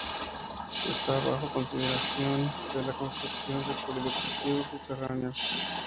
Está bajo consideración la construcción de un polideportivo subterráneo.